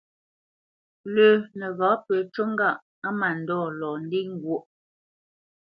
Lə́ nəghǎ pə ncû ŋgâʼ á mândɔ̂ lɔ ndê ŋgwóʼ.